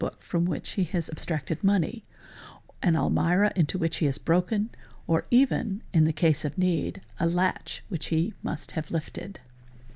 50 392 SUPERSTITION he has abstracted money, an almirah into which he has broken, or even, in case of need, a latch which he must have lifted.